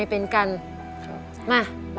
ที่แย่กันนอก